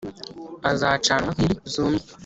azacanwa nk`inkwi zumye.